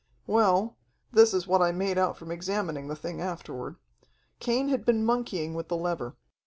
"Well this it what I made out from examining the thing afterward. Cain had been monkeying with the lever.